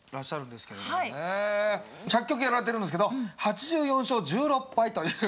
１００局やられてるんですけど８４勝１６敗という。